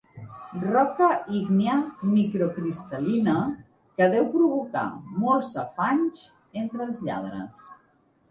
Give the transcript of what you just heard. Roca ígnia microcristal·lina que deu provocar molts afanys entre els lladres.